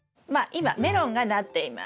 今メロンがなっています。